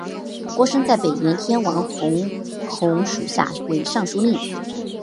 郭生在北燕天王冯弘属下为尚书令。